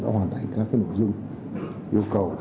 đã hoàn thành các nội dung yêu cầu